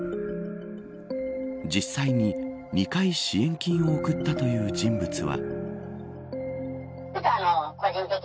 実際に、２回支援金を送ったという人物は。